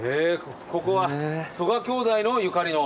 ここは曽我兄弟のゆかりの？